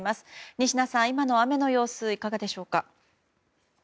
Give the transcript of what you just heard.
仁科さん、今の雨の様子はいかがでしょうか。